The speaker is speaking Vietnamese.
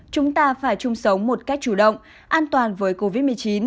chúng ta phải chung sống một cách chủ động an toàn với covid một mươi chín